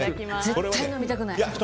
絶対飲みたくない。